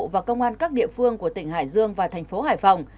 và công an các địa phương của tỉnh hải dương và thành phố hải phòng